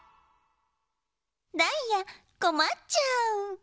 ダイヤこまっちゃう。